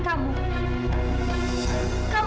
sekarang mama juga merasa asing berdiri di hadapan kamu